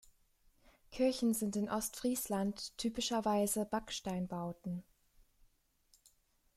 Kirchen sind in Ostfriesland typischerweise Backsteinbauten.